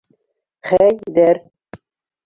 Хәйҙәр